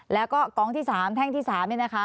แล้วก็กองที่๓แท่งที่๓เนี่ยนะคะ